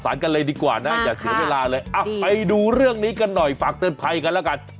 มาแล้วค่ะดีอ่ะไปดูเรื่องนี้กันหน่อยฝากเตือนภัยกันแล้วกัน